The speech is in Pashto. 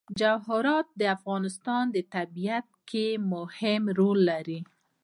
جواهرات د افغانستان په طبیعت کې مهم رول لري.